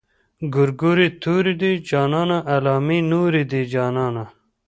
ګورګورې تورې دي جانانه علامې نورې دي جانانه.